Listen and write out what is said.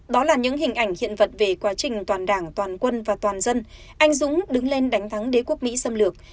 đó là những hình ảnh hiện vật về quá trình toàn đảng toàn quân và toàn dân anh dũng đứng lên đánh thắng đế quốc mỹ xâm lược